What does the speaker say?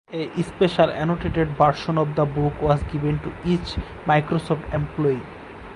A special annotated version of the book was given to each Microsoft employee.